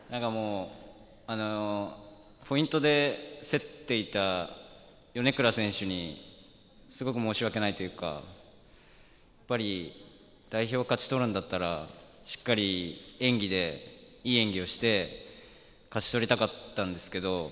ポイントで競っていた米倉選手にすごく申し訳ないというか、代表を勝ち取るんだったら、しっかりいい演技をして勝ち取りたかったんですけど。